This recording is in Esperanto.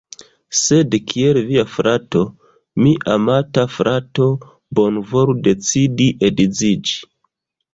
Sed kiel via frato, mi amata frato, bonvolu decidi edziĝi